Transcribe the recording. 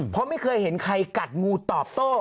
เพราะไม่เคยเห็นใครกัดงูตอบโต้